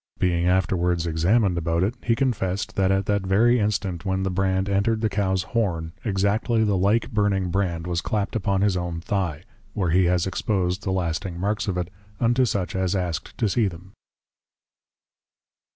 Being afterwards Examined about it, he confessed, that at that very instant when the Brand entered the Cow's Horn, exactly the like burning Brand was clap'd upon his own Thigh; where he has exposed the lasting marks of it, unto such as asked to see them.